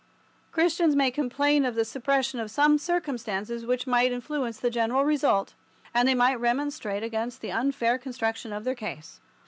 Christians may complain of the suppression of some circumstances which might influence the general result, and they must remonstrate against the unfair construction of their case.